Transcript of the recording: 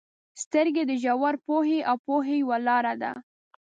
• سترګې د ژور پوهې او پوهې یوه لاره ده.